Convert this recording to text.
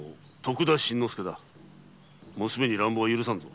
娘に乱暴は許さんぞ！